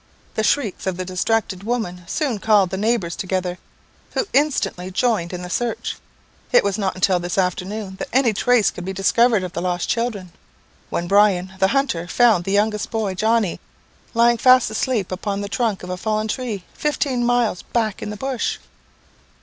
The shrieks of the distracted woman soon called the neighbours together, who instantly joined in the search. It was not until this afternoon that any trace could be discovered of the lost children, when Brian, the hunter, found the youngest boy, Johnnie, lying fast asleep upon the trunk of a fallen tree, fifteen miles back in the bush."